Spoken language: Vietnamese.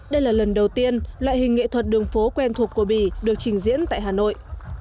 đây là lần đầu tiên loại hình nghệ thuật đường phố quen thuộc của bỉ được trình diễn tại hà nội